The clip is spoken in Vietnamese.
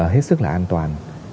hết sức là an toàn